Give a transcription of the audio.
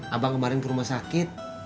abang kemarin ke rumah sakit